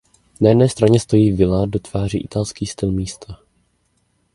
Na jedné straně stojící vila dotváří italský styl místa.